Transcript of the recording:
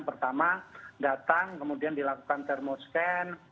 pertama datang kemudian dilakukan termoscan